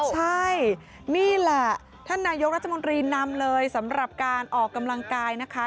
ใช่นี่แหละท่านนายกรัฐมนตรีนำเลยสำหรับการออกกำลังกายนะคะ